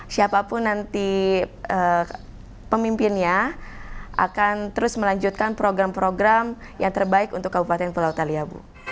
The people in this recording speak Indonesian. siapapun nanti pemimpinnya akan terus melanjutkan program program yang terbaik untuk kabupaten pulau thaliabu